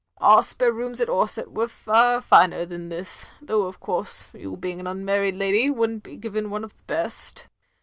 Our spare rooms at Orsett was far finer than this, though of course, you being an tinmarried lady would n't be given one of the best.